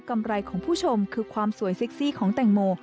ไรของผู้ชมคือความสวยเซ็กซี่ของแตงโม